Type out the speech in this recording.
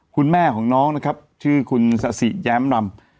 คุณแม่ของน้องนะครับชื่อคุณสะสิแย้มลำ